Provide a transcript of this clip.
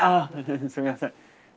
すいません。